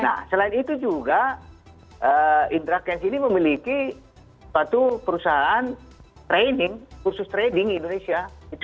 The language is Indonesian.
nah selain itu juga indra cash ini memiliki satu perusahaan training kursus trading indonesia